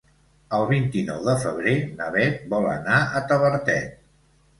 El vint-i-nou de febrer na Beth vol anar a Tavertet.